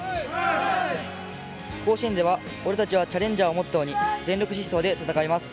甲子園では「俺達はチャレンジャー」をモットーに全力疾走で戦います。